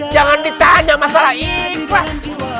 jangan ditanya masalah ikhlas